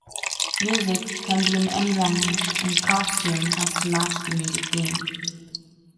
Music can be in any language, and costume has to match the music theme.